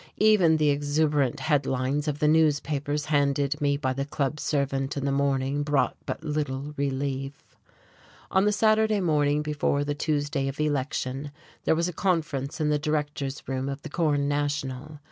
Even the exuberant headlines of the newspapers handed me by the club servant in the morning brought but little relief. On the Saturday morning before the Tuesday of election there was a conference in the directors' room of the Corn National.